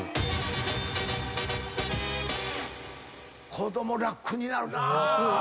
子供楽になるなぁ。